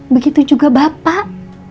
begitu juga bapak